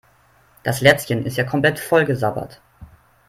Das Lätzchen ist ja komplett vollgesabbert.